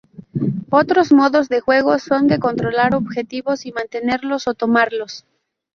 Otros modos de juegos son de controlar objetivos y mantenerlos o tomarlos.